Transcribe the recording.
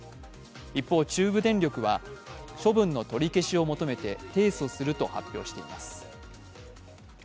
一方、中部電力は処分の取り消しを求めて提訴すると発表しています。